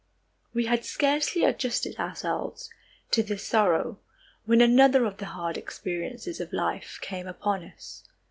We had scarcely adjusted ourselves to this sorrow when another of the hard experiences of life came upon us.